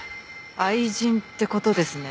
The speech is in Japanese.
愛人って事ですね。